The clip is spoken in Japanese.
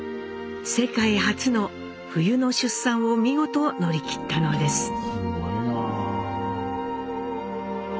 世界初の冬の出産を見事乗り切ったのです。